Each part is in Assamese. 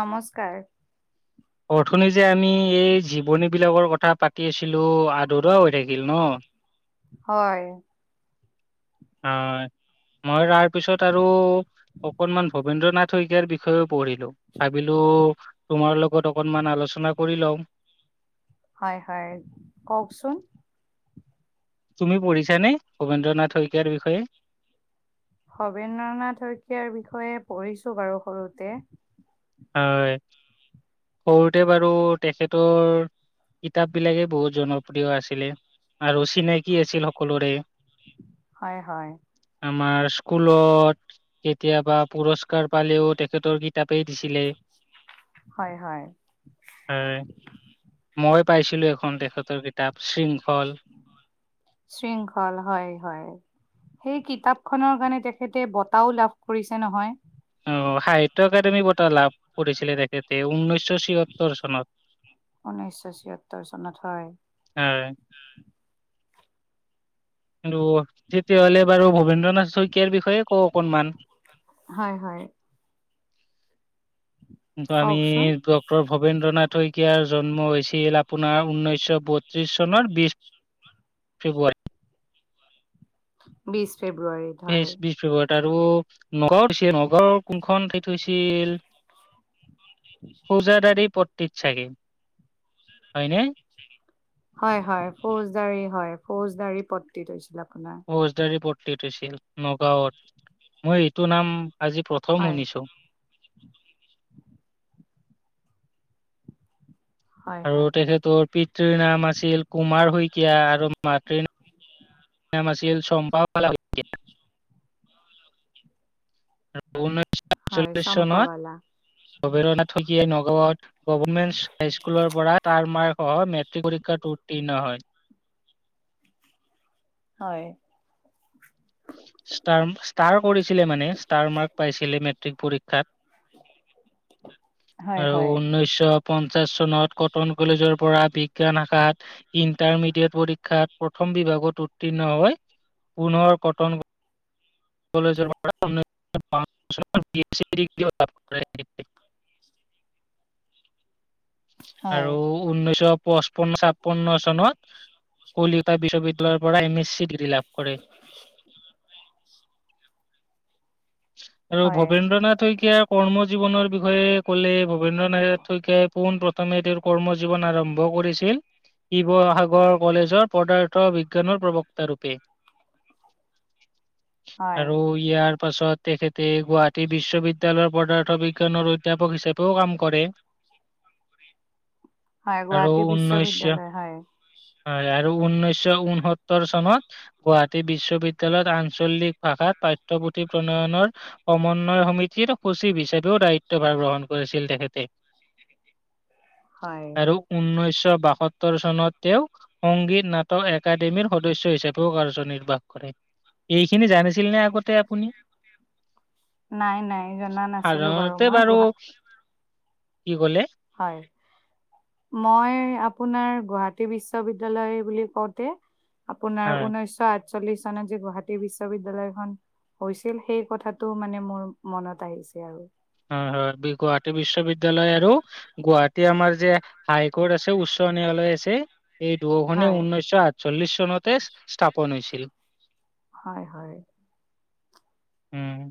নমস্কাৰ। উ [unintelligible] অথনি যে আমি এই জীৱনীবিলাকৰ কথা পাতি আছিলো, আধৰুৱা হৈ থাকিল ন? হয়। অ, মই তাৰ পিছত আৰু অকনমান ভবেন্দ্ৰ নাথ শইকীয়াৰ বি বিষয়ে পঢ়িলো, ভাবিলো তোমাৰ লগত অকনমান আলোচনা কৰি লওঁ? হয় হয়, কওকচোন? তুমি পঢ়িছা নে? ভবেন্দ্ৰ নাথ শইকীয়াৰ বিষয়ে? ভবেন্দ্ৰনাথ শইকীয়াৰ বিষয়ে পঢ়িছো বাৰু সৰুতে। হয়। সৰুতে বাৰু তেখেতৰ কিতাপ বিলাকে, বহুত জনপ্ৰিয় আছিলে। আৰু চিনাকী আছিল সকলোৰে। হয় হয় আমাৰ স্কুলত কেতিয়াবা, পুৰস্কাৰ পালেও তেখেতৰ কিতাপেই দিছিলে হয় হয় হায়। মই পাইছিলো, এখন তেখেতৰ কিতাপ শৃংখল। শৃংখল হয় হয়। সেই কিতাপখনৰ কাৰণে, তেখেতে বঁটাও লাভ কৰিছে নহয়। অ সাহিত্য‌ একাডেমি বঁটা লাভ কৰিছিলে তেখেতে ঊনৈছশ চিসত্তৰ চনত। ঊনৈছশ ছিয়ত্তৰ চনত হয় হয়। আৰু তেতিয়াহ'লে বাৰু ভবেন্দ্ৰনাথ শইকীয়াৰ বিষয়ে কওঁ অকনমান। হয়, হয়। আমি কওকচোন ডক্টৰ ভ ৱেন্দ্ৰনাথ শইকীয়াৰ জন্ম হৈছিল আপোনাৰ ঊনৈছশ বত্ৰিশ চনৰ বিশ ফেব্ৰুৱাৰী। বিশ ফেব্ৰুৱাৰী। বিশ, বিশ ফেব্ৰুৱাৰীত আৰু নগাঁও নগাঁৱৰ কোনখন ঠাই থৈছিল? ফৌজাদাৰী পট্টিত চাগে। হয়নে? হয়, হয় ফৌজদাৰি হয়, ফৌজদাৰী পট্টিত হৈছিল আপোনাৰ। ফৌজদাৰী পট্টিত হৈছিল নগাঁৱত, মই এইটো নাম আজি প্ৰথম হয় শুনিছো। হয় আৰু হয় তেখেতৰ পিতৃৰ নাম আছিল কুমাৰ শইকীয়া আৰু মাতৃৰ নাম আছিল চম্পা [inaudible] আৰু ঊনৈছশ হয় আতচল্লিশ চম্পাৱালা চনত ভবেন্দ নাথ শকীয়াই নগাঁৱত গভমেন্ট হাইস্কুলৰ পৰা তাৰ মাৰ্কসহ মেট্ৰিক পৰীক্ষাত উত্তীৰ্ণ হয়। হয়। ষ্টাৰ, ষ্টাৰ কৰিছিলে মানে ষ্টাৰ মাৰ্ক পাইছিলে মেট্ৰিক পৰীক্ষাত। হয় আৰু হয় ঊনৈছশ পঞ্চাশ চনত কটন কলেজৰ পৰা বিজ্ঞান শাখাত ইণ্টাৰমিডিয়েট পৰীক্ষাত প্ৰথম বিভাগত উত্তীৰ্ণ হয়, পুনৰ কটন কলেজৰ পৰা [unintelligible] হয় আৰু উনৈছশ পঁচপন্ন ছাপন্ন চনত, কলিকতা বিশ্ববিদ্যালয়ৰ পৰা এম এছ ডিগ্ৰী লাভ কৰে। আৰু হয় ভবেন্দ্ৰ নাথ শইকীয়াৰ কৰ্ম জীৱনৰ বিষয়ে ক'লে, ভবেন্দ্ৰ নাথ শইকীয়াই পোন প্ৰথমে তেওঁৰ কৰ্ম জীৱন আৰম্ভ কৰিছিল শিৱসাগৰ কলেজৰ পদাৰ্থ বিজ্ঞানৰ প্ৰবক্তা ৰূপে। হয় আৰু ইয়াৰ পাছত তেখেতে গুৱাহাটী বিশ্ববিদ্যালয়ৰ পদাৰ্থ বিজ্ঞানৰ অধ্যাপক হিচাপেও কাম কৰে। [inaudible] হায় গুৱাহাটী বিশ্ববিদ্যালয় হায়। হায় আৰু ঊনৈছশ ঊনসত্তৰ চনত গুৱাহাটী বিশ্ববিদ্য়ালয়ত আঞ্চলিক ভাষাত পাঠ্যপুথি ক্ৰণ উন্নয়নৰ সমন্বয় সমিতিৰ সচিব হিচাপেও দায়িত্বভাৰ গ্ৰহণ কৰিছিল তেখেতে। হয় আৰু ঊনৈছশ বাসত্তৰ চনত তেওঁ সংগীত, নাটক একাডেমীৰ সদস্য হিচাপেও কাৰ্যনিৰ্বাহ কৰে। এইখিনি জানিছিল নে আগতে আপুনি? নাই নাই জনা নাছিলো বাৰু মই, গুহা কি ক'লে? হয়, মই আপোনাৰ গুৱাহাটী বিশ্ব বিদ্যালয় বুলি কওঁতে, আপোনাৰ হয়। ঊনৈশ আঠচল্লিশ চনত যে গুৱাহাটী বিশ্ববিদ্যালয়খন, হৈছিল সেই কথাটো মানে মোৰ মনত আহিছে আৰু। হয় হয় গুৱাহাটী বিশ্ববিদ্যালয় আৰু- গুৱাহাটী আমাৰ যে হাই কোৰ্ট আছে উচ্চ ন্যায়ালয় আছে, এই দুখনেই হয় ঊনৈছশ আঠ চল্লিশ চনতে স্থাপন হৈছিল। হয় হয়। উম'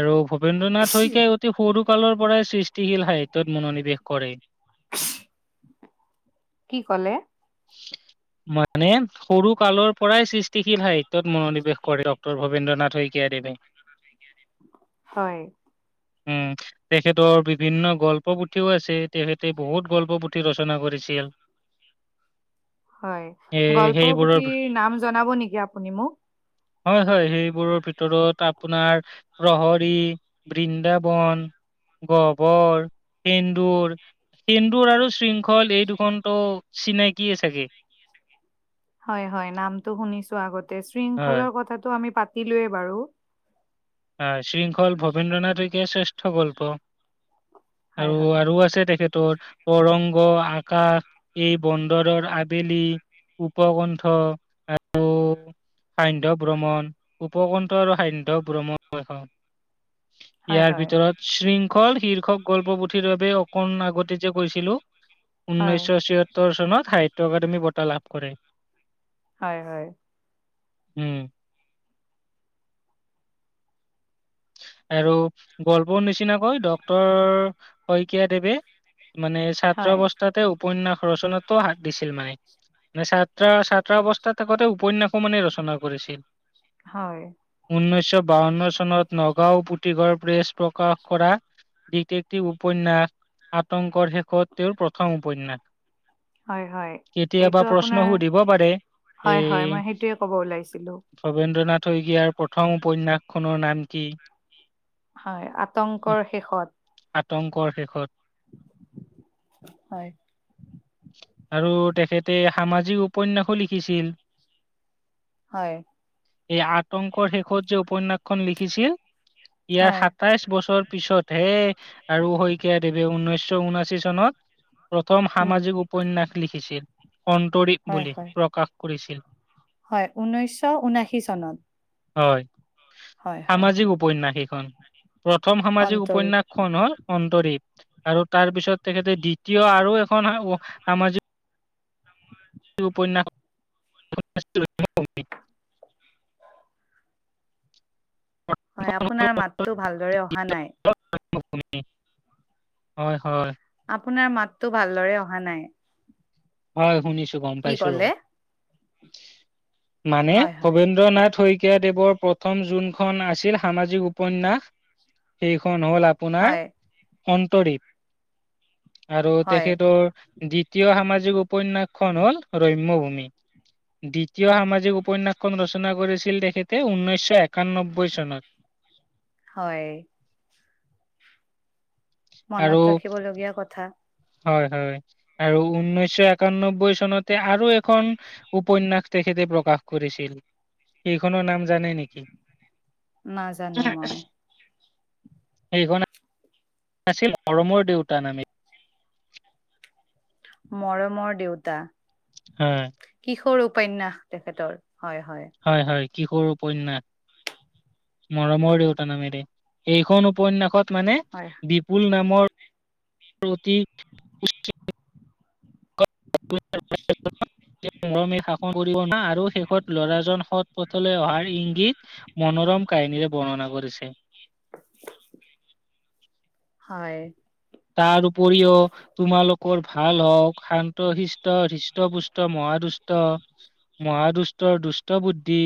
আৰু ভবেন্দ্ৰ নাথ শইকীয়া য়ে অতি সৰু কালৰ পৰাই সৃষ্টিশীল সাহিত্যত মনোনিৱেশ কৰে। কি কলে? মানে সৰু কালৰ পৰাই সৃচ তিশীল সাহিত্যত মনোনিৱেশ কৰে, ডঃ ভবেন্দ্ৰ নাথ শইকীয় দেৱে। হয়, উম' তেখেতৰ বিভিন্ন গল্প-পুথিও আছে। তেখেতে বহুত গল্প-পুথি ৰচনা কৰিছিল। হয়, এ গল্প সেইবোৰৰ পুথিৰ নাম জনাব নেকি আপুনি মোক? হয় হয় সেইবোৰৰ ভিতৰত আপোনাৰ প্ৰহৰি, বৃন্দাবন, গবৰ, সেন্দুৰ, সেন্দুৰ আৰু শৃং খল এই দুখনত চিনাকিয়ে চাগে। হয় হয় নামটো শুনিছো আগতে, হয়, শৃংখলৰ কথাটো আমি পাতিলোয়ে বাৰু। শৃংখল ভবীন্দ্ৰ নথইকীয়া শ্ৰেষ্ঠ গল্প, হয় আৰু হয় আৰু আছে তেখেত। তৰ অৰংগ, আকাশ, এই বন্দৰৰ আবেলি। উপকণ্ঠ আৰু। সান্ধ্য ভ্ৰমণ, উপকণ্ঠ আৰু সান্ধ্য ভ্ৰমণ, হয় ইয়াৰ হয় ভিতৰত শৃংখল শীৰ্ষক গল্পপুথিৰ বাবে অকণ আগতে যে কৈছিলো। হয়, ঊনৈছশ ছয়ত্তৰ চনত সাহিত্য একাডেমী বঁটা লাভ কৰে। হয় হয়। উম' আৰু গল্পৰ নিচিনাকৈ ডঃ শইকীয়া দেৱে, মানে ছাত্ৰ হয়, অৱস্থাতে উপন্যাস ৰচনাতো হাত দিছিল মানে। ছাত্ৰ ছাত্ৰাৱস্থাতে থাকোতে উপন্যাসো মানে ৰচনা কৰিছিল। হয়, উনৈশ বাৱন্ন চনত নগাঁও পুতিঘড় প্ৰেছ প্ৰকাশ কৰা। ডিটিকটিপ উপন্যাস, আতংকৰ শেষত তেওঁৰ প্ৰথম উপন্যাস। হয় হয়, কেতিয়াবা এইটো প্ৰশ্ন আপোনাৰ, সুধিব পাৰে হয় হয় মই সেইটোৱে ক'ব ওলাইছিলো। ভবেন্দ্ৰ নাথ শইকীয়াৰ প্ৰথম উপন্যাস খনৰ নাম কি। হয় আতংকৰ শেষত। আতংকৰ শেষত। হয়। আৰু তেখেতে সামাজিক উপন্যাসো লিখিছিল। [inaudible] হয়। এই আতংকৰ শেষত যে উপন্যাসখন লিখিছিল। ইয়াৰ হয়, সাতাইশ বছৰ পিছত হে, আৰু শইকীয়া দেৱে ঊনৈশ ঊনাশী চনত প্ৰথম উম, সামাজিক উপন্যাস, লিখিছিল অন্তৰি। হয় হয়, হয় ঊনৈছশ ঊনাশী চনত। হয়। হয় হয়। উপ্যাস সেইখন প্ৰথম সামাজিক অন্তৰীপ উপন্যাসখন। অন্তৰীপ আৰু তাৰ পিছত তেখেতে দ্বিতীয় আৰু এখন সামাজিক। [unintelligible] উপন্যাস। হয় আপোনাৰ মাততো ভালদৰে অহা নাই। হয় হয়। আপোনাৰ মাততো ভালদৰে অহা নাই। হয় শুনিছো গম কি পাইছো ৰব, ক'লে? মানে হয়, ভবেন। হয়, ভবেন্দ্ৰ নাথ শইকীয়াদেৱৰ প্ৰথম জোনখন আছিল সামাজিক উপন্যাস। সেইখন হ'ল। আপোনাৰ, হয়, সন্তদ্বপ আৰু হয়, তেখেতৰ। দ্বিতীয় সামাজিক উপন্যাসখন হল ৰম্যভূমি। দ্বিতীয় সামাজিক উপন্যাসখন ৰচনা কৰিছিল তেখেতে ঊনৈছশ একাননব্বৈ চনত। হয়। আৰু মনত ৰাখিবলগীয়া কথা। হয় হয়, আৰু ঊনৈছশ একানব্বৈ চনতে আৰু এখন। উপন্যাস তেখেতে প্ৰকাশ কৰিছিল, এইখনৰ নাম। জানে নেকি। নাজানো মই। সেইখন, আছিল মৰমৰ দেউতাৰ নামেই। মৰমৰ দেউতা। হয়। কিশোৰ উপন্যাস তেখেতৰ হয় হয়। হয় হয় কিশোৰ উপন্যাস মৰমৰ দেউতা নামেৰে এইখন উপন্যাসত মানে হয় বিপুল নামৰ, অতি। [unintelligible] মৰমে শাসন কৰিব না আৰু শেষত ল'ৰাজন সৎ পথলে অহাৰ ইংগিত। মনোৰম কাহিনীৰে বৰ্ণনা কৰিছে। হয়। তাৰ উপৰিও তোমালোকৰ ভাল হওক শান্ ষ্ট শৃষ্ট ধৃষ্টপুষ্ট মহাদুষ্ট। মহা দুষ্টৰ দুষ্ট বুদ্ধি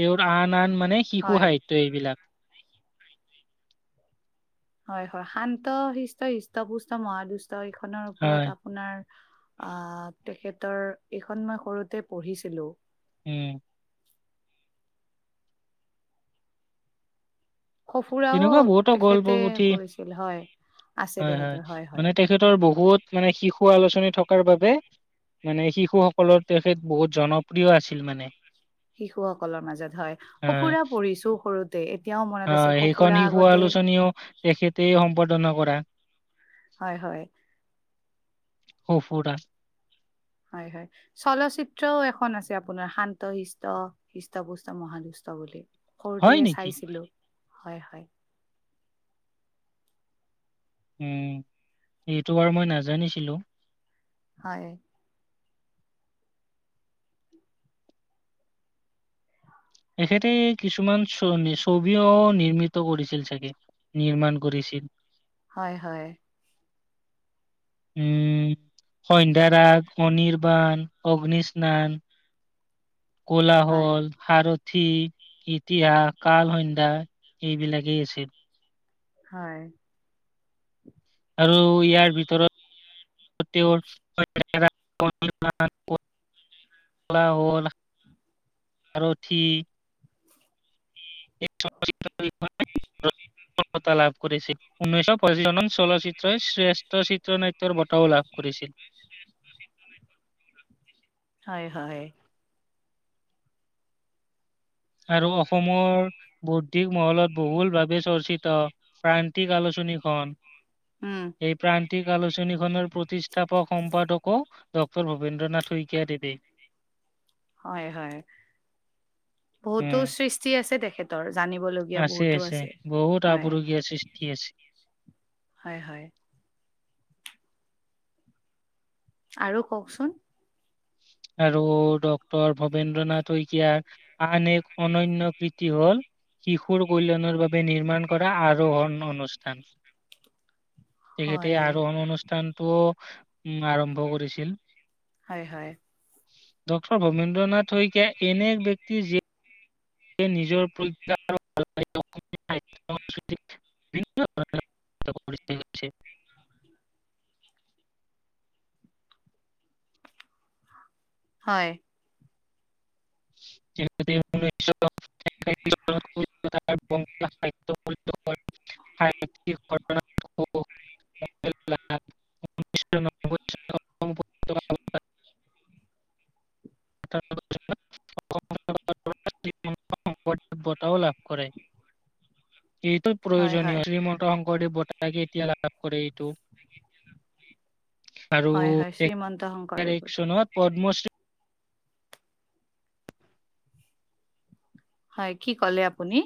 তেওঁৰ আন আন মানে শিশু হয় সাহিত্য এইবিলাক হয় হয় শান্ত হিষ্ট হৃষ্টপুষ্ট মহাদুষ্ট এইখনৰ হয় ওপৰত আ আপোনাৰ আহ তেখেতৰ এইখন মই সৰুতে পঢ়িছিলো উম সঁফুৰাও তেনেকুৱা বহুতো গল্প তেখেতে পুথি কৰিছিল হয় আছে হয় হয় তেখেতৰ হয় মানে তে খেতৰ বহুত মানে শিশু আলোচনী থকাৰ বাবে মানে শিশুসকলৰ তেখেত বহুত জনপ্ৰিয় আছিল মানে শিশু সকলৰ মাজত হয় সুফুৰা পঢ়িছোঁ সৰু তে এতিয়াও মনত আছে হয় সেইখন সফুৰা শিশু আগতে আলোচনীও তেখেতে সম্পাদনা কৰা হয় হয় অফুৰা হয় হয় চলচিত্ৰও এখন আছে আপোনাৰ শান্ত শিষ্ট হৃষ্টপুষ্ট মহাদুষ্ট বুলি সৰুতে হয় নেকি চাইছিলোঁ হয় হয় উম, এইটো বাৰু মই নাজানিছিলোঁ। হয়। এখেতে কিছুমান ছ -ছবিও নিৰ্মিত কৰিছিল চাগে নিৰ্মাণ কৰিছিল। হয় - হয়। উম, সন্ধ্যা ৰাগ অনিৰ্বাণ অগ্নি স্নান হয় কুলাহ'ল সাৰথী, ইতিহাস, কালসন্ধ্যা এইবিলাকেই আছে। হয়। আৰু ইয়াৰ বিতৰত তেওঁৰ [unintelligible] কোলাহ'ল সাৰৰ্থি [unintelligible] সফলতা লাভ কৰিছে। উনৈছ পঁচিছ চনত চলচ্চিত্ৰই শ্ৰেষ্ঠ চিত্ৰনাট্যৰ বঁটাও লাভ কৰিছে। [unintelligible] হয় -হয় আৰু অসমৰ বৌদ্ধিক মহলত বহুল ভাৱে চৰ্চিত প্ৰান্তিক আলোচনীখন উম এই প্ৰান্তিক আলোচনীখনৰ প্ৰতিষ্ঠাপক সম্পাদকো ডক্তৰ ভবেন্দ্ৰ নাথ শইকীয়া দেৱে। [unintelligible] হয়- হয় বহুতো উম সৃষ আছে তেখেতৰ জানিবলৈ দিয়া বহুতো আছে বহুত হয়- আপুৰুগীয়া সৃষ্টি আছে। হয়-হয়। আৰু কওকচোন? আৰু ডক্টৰ ভবেন্দ্ৰনাথ শইকীয়া আন এক অনন্য কৃতি হ'ল শিশুৰ কল্যাণৰ বাবে নিৰ্মাণ কৰা আৰোহণ অনুষ্ঠান। তেখেতে হয় আৰোহণ অনুষ্ঠানটোও উম আৰম্ভ কৰিছিল। হয়-হয় ডক্তৰ ভবেন্দ্ৰ নাথ শইকীয়া এনে ব্যক্তি যি এ নিজৰ প্ৰ [unintelligible] বিভিন্ন ধৰণৰ [unintelligible] হয়। তেখেতে [unintelligible] [unintelligible] [unintelligible] [unintelligible] [unintelligible] সম্পদ বঁটাও লাভ কৰে এইটোত হয় হয় প্ৰয়োজনীয় শ্ৰীমন্ত শংকৰদেৱ বঁটা কেতিয়া লাভ কৰে এইটো? আৰু হয় হয় [unintelligible] শ্ৰীমন্ত শংকৰদেৱত চনত পদ্মশ্ৰী হয়, কি ক'লে আপুনি?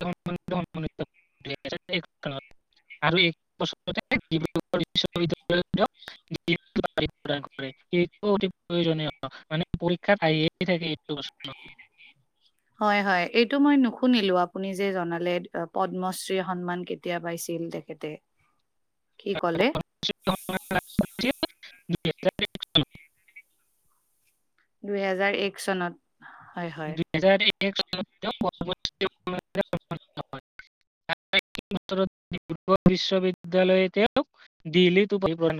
তেওঁ মানে [unintelligible] আমি অচৰতে [unintelligible] [unintelligible] সেইটো অতি প্ৰয়োজনীয় মানে পৰীক্ষাত আহিয়ে থাকে। এইটো প্ৰশ্ন হয়-হয় এইটো মই নুশুনিলো আপুনি যে জনালে পদ্মশ্ৰী সন্মান কে কেতিয়া পাইছিল তেখেতে [inaudible] কি কলে? [unintelligible] দুহেজাৰ এক চনত হয়- হয়। [unintelligible] [unintelligible]